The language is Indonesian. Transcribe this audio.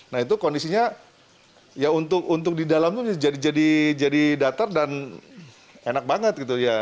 nah itu kondisinya ya untuk di dalamnya jadi datar dan enak banget gitu ya